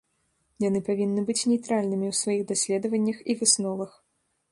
Яны павінны быць нейтральнымі ў сваіх даследаваннях і высновах.